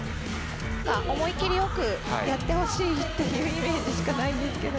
思い切りよくやってほしいというイメージしかないですけど。